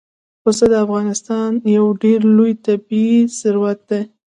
پسه د افغانستان یو ډېر لوی طبعي ثروت دی.